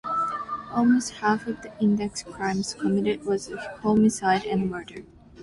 Almost half of the index crimes committed was homicide and murder.